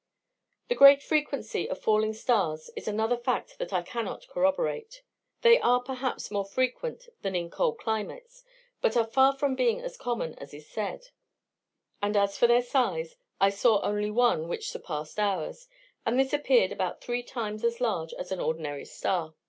The great frequency of falling stars is another fact that I cannot corroborate. They are, perhaps, more frequent than in cold climates, but are far from being as common as is said: and as for their size, I saw only one which surpassed ours; and this appeared about three times as large as an ordinary star.